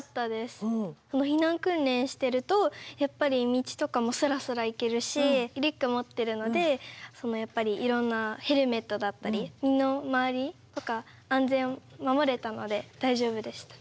避難訓練してるとやっぱり道とかもすらすら行けるしリュック持ってるのでやっぱりいろんなヘルメットだったり身の回りとか安全を守れたので大丈夫でした。